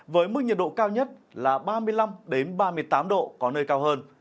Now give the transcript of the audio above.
với mức nhiệt độ cao nhất là ba mươi năm ba mươi tám độ có nơi cao hơn